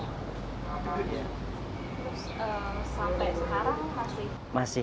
sampai sekarang masih